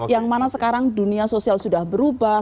yang mana sekarang dunia sosial sudah berubah